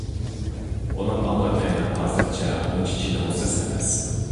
ئۇنىڭ ئاغرىقى ھازىرچە ئۇنچە چىدىغۇسىز ئەمەس.